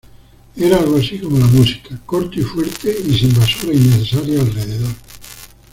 Era algo así como la música, corto y fuerte y sin basura innecesaria alrededor.